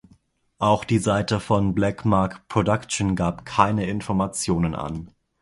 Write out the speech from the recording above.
Auch die Seite von Black Mark Production gab keine Informationen an.